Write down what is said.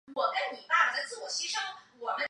眼周有一圈半月形的亮灰色羽毛。